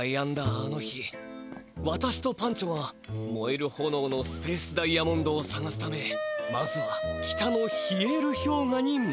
あの日わたしとパンチョはもえるほのおのスペースダイヤモンドをさがすためまずは北のヒエールひょうがに向かった」。